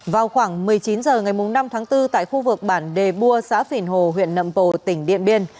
vào khoảng một mươi chín h ngày năm tháng bốn tại khu vực bản đề bua xã phìn hồ huyện nậm bồ tỉnh điện biên